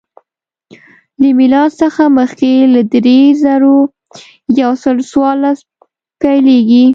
له میلاد څخه مخکې له درې زره یو سل څوارلس پیلېږي